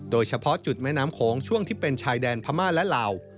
โดยเฉพาะจุดแม่น้ำโขงช่วงที่เป็นชายแดนพม่าและลาว